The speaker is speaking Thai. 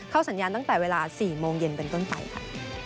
สัญญาณตั้งแต่เวลา๔โมงเย็นเป็นต้นไปค่ะ